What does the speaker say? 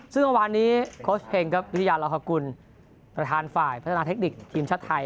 ซึ่งวันนี้โค้ชเฮงวิทยาลักษมณ์ประธานฝ่ายพัฒนาเทคนิคทีมชาติไทย